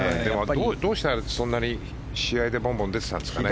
どうしたらそんなに試合でボンボン打ててたんですかね。